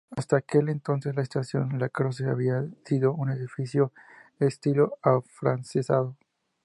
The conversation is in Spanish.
Hasta aquel entonces la estación Lacroze había sido un edificio de estilo "afrancesado".